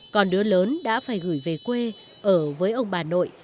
còn đứa lớn đã phải gửi về quê ở với ông bà nội